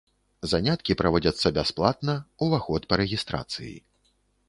Заняткі праводзяцца бясплатна, уваход па рэгістрацыі.